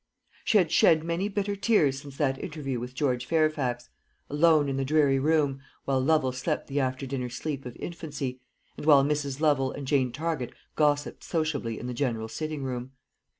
She had shed many bitter tears since that interview with George Fairfax, alone in the dreary room, while Lovel slept the after dinner sleep of infancy, and while Mrs. Lovel and Jane Target gossipped sociably in the general sitting room.